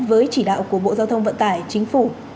với chỉ đạo của bộ giao thông vận tải chính phủ